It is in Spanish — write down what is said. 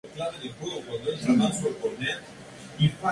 Es hermano del futbolista David Rodríguez Sánchez.